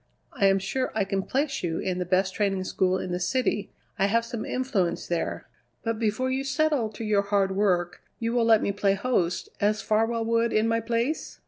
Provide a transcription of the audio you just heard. I am sure I can place you in the best training school in the city; I have some influence there. But before you settle to your hard work you will let me play host, as Farwell would in my place?